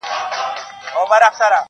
دلته ډېر اغېز لري-